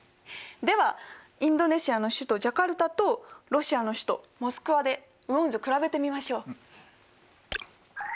ではインドネシアの首都ジャカルタとロシアの首都モスクワで雨温図を比べてみましょう。